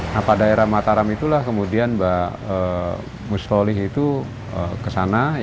nah pada daerah mataram itulah kemudian bahmusyolih itu kesana